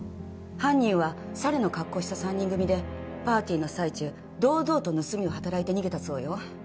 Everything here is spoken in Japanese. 犯人は猿の格好をした三人組でパーティーの最中堂々と盗みを働いて逃げたそうよ